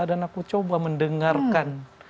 dan aku coba mendengarkan